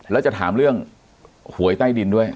แล้วจะถามเรื่องหวยใต้ดินด้วย